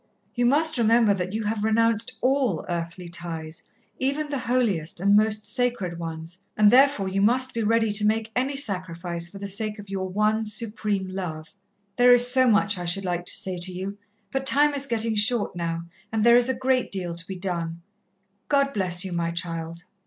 You must remember that you have renounced all earthly ties, even the holiest and most sacred ones, and therefore you must be ready to make any sacrifice for the sake of your one, supreme Love. There is so much I should like to say to you, but time is getting short now, and there is a great deal to be done. God bless you, my child."